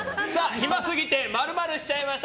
暇すぎて○○しちゃいました